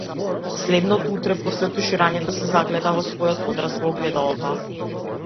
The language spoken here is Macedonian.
Следното утро, после туширањето, се загледа во својот одраз во огледалото.